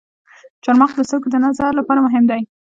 چارمغز د سترګو د نظر لپاره مهم دی.